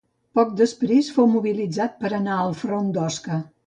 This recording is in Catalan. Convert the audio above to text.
Poc després fou mobilitzat per anar al front d'Osca.